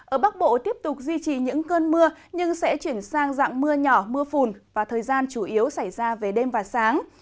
ở bắc bộ tiếp tục duy trì những cơn mưa nhưng sẽ chuyển sang dạng mưa nhỏ mưa phùn và thời gian chủ yếu xảy ra về đêm và sáng